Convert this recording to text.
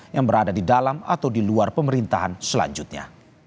yang berada di dalam atau di luar pemerintahan selanjutnya